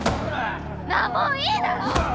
なあもういいだろ！